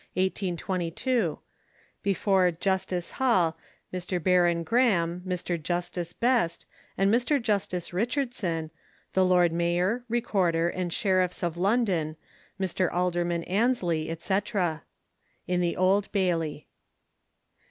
BEFORE Justice Hall, Mr Baron Graham, Mr Justice Best, and Mr Justice Richardson, the Lord Mayor, Recorder, and Sheriffs of London, Mr Alderman Ansley, &c. IN THE OLD BAILEY.